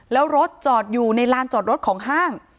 แล้วรถจอดอยู่ในลานจอดรถของห้าง